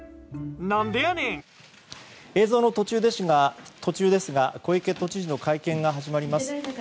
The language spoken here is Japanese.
映像の途中ですが小池都知事の会見が始まりました。